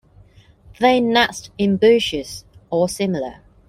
They nest in bushes or similar.